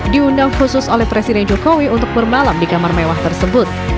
diundang khusus oleh presiden jokowi untuk bermalam di kamar mewah tersebut